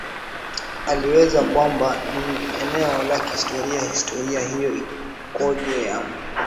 aelezwa kwamba ni eneo la kihistoria historia hiyo ikoje yam